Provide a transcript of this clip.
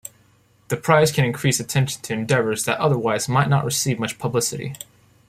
The prize can increase attention to endeavors that otherwise might not receive much publicity.